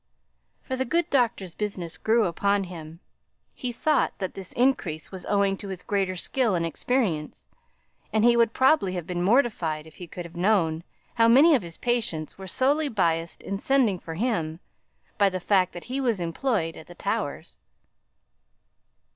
For the good doctor's business grew upon him. He thought that this increase was owing to his greater skill and experience, and he would probably have been mortified if he could have known how many of his patients were solely biassed in sending for him, by the fact that he was employed at the Towers.